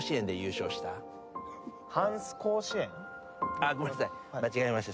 あっごめんなさい間違えました